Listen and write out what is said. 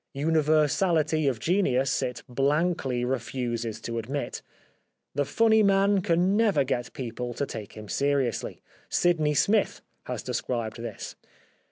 Universality of genius it blankly refuses to admit. The funny man can never get people to take him seriously. Sydney Smith has described this.